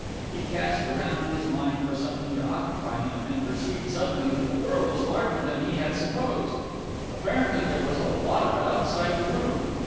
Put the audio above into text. He cast around in his mind for something to occupy him, and perceived suddenly that the world was larger than he had supposed. Apparently there was a lot of it outside the room.